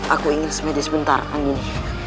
aku ingin semedi sebentar anggini